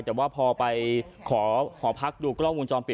แต่ว่าพอไปขอหอพักดูกล้องวงจรปิด